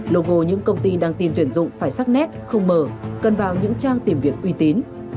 logo những công ty đang tìm tuyển dụng phải sắc nét không mở cần vào những trang tìm việc uy tín